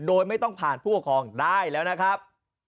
โดยไม่ต้องผ่านผู้ปกครองได้แล้วนะครับ